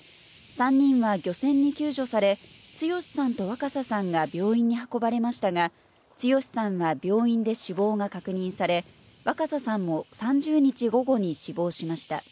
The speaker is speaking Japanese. ３人は漁船に救助され、剛さんと和花咲さんが病院に運ばれましたが、剛さんは病院で死亡が確認され、和花咲さんも３０日午後に死亡しました。